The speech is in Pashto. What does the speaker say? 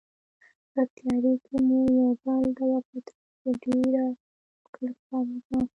په تیارې کې مو یو بل ته وکتل چې ډېره ښکلې ښکارېده.